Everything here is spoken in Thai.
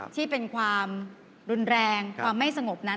ที่เป็นความรุนแรงความไม่สงบนั้น